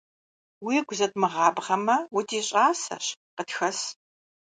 Уигу зэдмыгъэбгъамэ, удищӀасэщ, къытхэс.